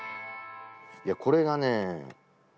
いやこれがね